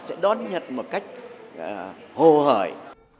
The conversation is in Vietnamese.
sẽ đón nhận một cách hồ hời